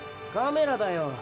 カメラだよ。